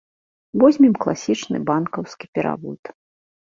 Возьмем класічны банкаўскі перавод.